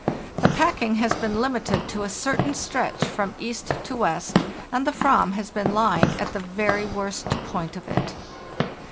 The packing has been limited to a certain stretch from east to west, and the /vam has been lying at the very worst point of it.